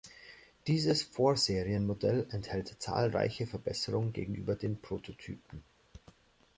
Dieses Vorserienmodell enthält zahlreiche Verbesserungen gegenüber den Prototypen.